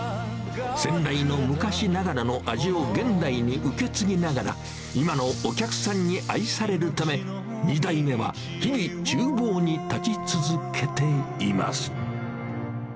先代の昔ながらの味を現代に受け継ぎながら、今のお客さんに愛されるため、２代目は、日々、ちゅう房に立ち続けています。